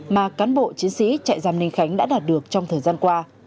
mà cán bộ chiến sĩ trại giam ninh khánh đã đạt được trong thời gian qua